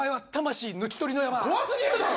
怖すぎるだろ。